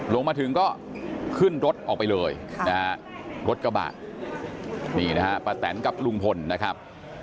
ลงมาถึงก็ขึ้นรถออกไปเลยนะฮะรถกระบะนี่นะฮะป้าแตนกับลุงพลนะครับ